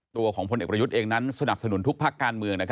ตัวของพลเอกประยุทธ์เองนั้นสนับสนุนทุกภาคการเมือง